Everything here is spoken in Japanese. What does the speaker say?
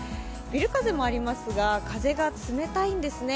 ビル風もありますが、風が冷たいんですね。